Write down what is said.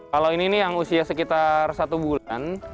kalau ini nih yang usia sekitar satu bulan